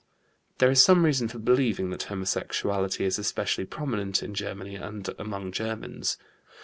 There is some reason for believing that homosexuality is especially prominent in Germany and among Germans.